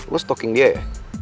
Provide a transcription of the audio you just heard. lo stalking dia ya